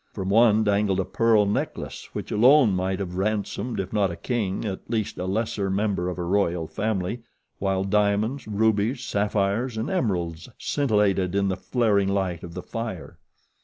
From one dangled a pearl necklace which alone might have ransomed, if not a king, at least a lesser member of a royal family, while diamonds, rubies, sapphires, and emeralds scintillated in the flaring light of the fire.